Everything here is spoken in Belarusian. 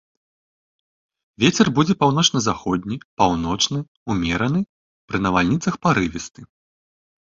Вецер будзе паўночна-заходні, паўночны, умераны, пры навальніцах парывісты.